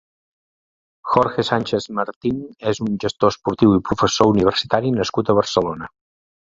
Jorge Sánchez Martín és un gestor esportiu i professor universitari nascut a Barcelona.